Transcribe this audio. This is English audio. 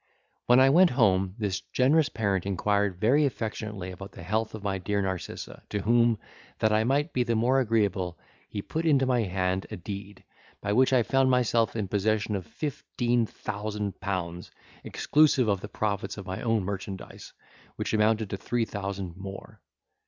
When I went home, this generous parent inquired very affectionately about the health of my dear Narcissa, to whom, that I might be the more agreeable, he put into my hand a deed, by which I found myself in possession of fifteen thousand pounds, exclusive of the profits of my own merchandise, which amounted to three thousand more.